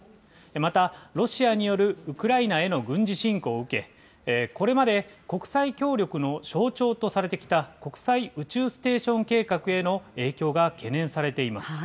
また、ロシアによるウクライナへの軍事侵攻を受け、これまで国際協力の象徴とされてきた国際宇宙ステーション計画への影響が懸念されています。